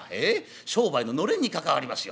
商売ののれんに関わりますよ。